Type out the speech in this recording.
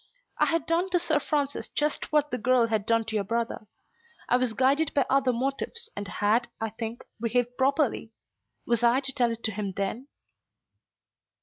"I had done to Sir Francis just what the girl had done to your brother. I was guided by other motives and had, I think, behaved properly. Was I to tell it to him then?"